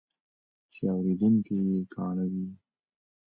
چې اورېدونکي یې کاڼه وي.